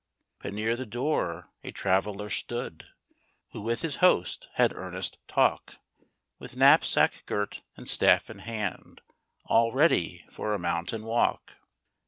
But near the door a traveler stood, Who with his host had earnest talk, With knapsack girt and staff in hand, All ready for a mountain walk.